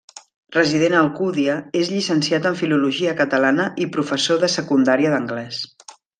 Resident a Alcúdia, és llicenciat en filologia catalana, i professor de secundària d'anglès.